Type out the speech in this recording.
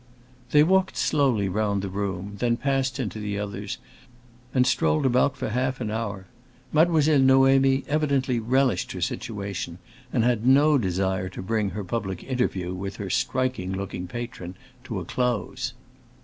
They walked slowly round the room, then passed into the others and strolled about for half an hour. Mademoiselle Noémie evidently relished her situation, and had no desire to bring her public interview with her striking looking patron to a close.